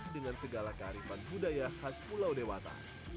dengan segala kearifan budaya khas pulau dewata